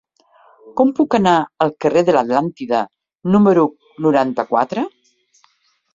Com puc anar al carrer de l'Atlàntida número noranta-quatre?